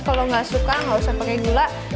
kalau nggak suka nggak usah pakai gula